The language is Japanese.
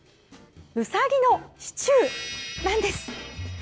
ウサギのシチューなんです。